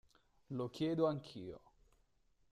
Lo chiedo anch'io.